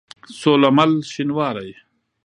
سوله مل شينوارى